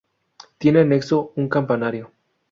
Tiene anexo un campanario.